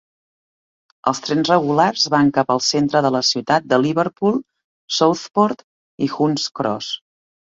Els trens regulars van cap al centre de la ciutat de Liverpool, Southport i Hunts Cross.